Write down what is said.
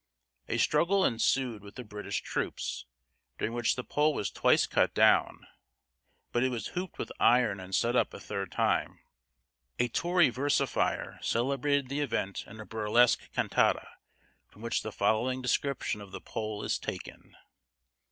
A struggle ensued with the British troops, during which the pole was twice cut down, but it was hooped with iron and set up a third time. A Tory versifier celebrated the event in a burlesque cantata, from which the following description of the pole is taken.